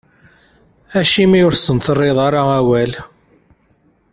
Acimi ur asen-terriḍ ara awal?